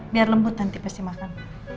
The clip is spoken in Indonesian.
biar lembut nanti pasti makan